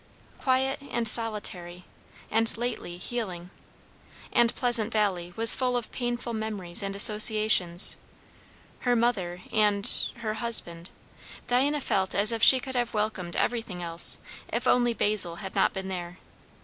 Quiet and solitary, and lately healing; and Pleasant Valley was full of painful memories and associations, her mother, and her husband. Diana felt as if she could have welcomed everything else, if only Basil had not been there.